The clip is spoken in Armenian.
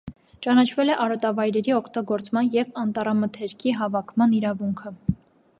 Ճանաչվել է արոտավայրերի օգտագործման և անտառամթերքի հավաքման իրավունքը։